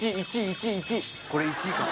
これ、１位かも。